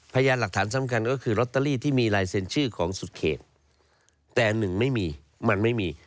ประการที่๑ไม่มีมันไม่มี